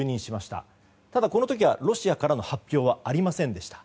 ただ、この時はロシアからの発表はありませんでした。